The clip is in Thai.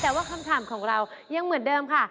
แต่ว่าคำถามของเรายังเหมือนเดิมค่ะ